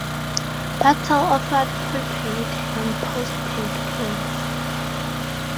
Paktel offered prepaid and postpaid plans.